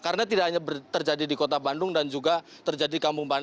karena tidak hanya terjadi di kota bandung dan juga terjadi di kampung bandung